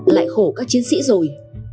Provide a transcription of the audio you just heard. lại khổ các chiến sĩ rồi